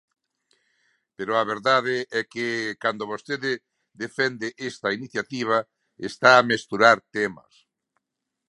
Pero a verdade é que, cando vostede defende esta iniciativa, está a mesturar temas.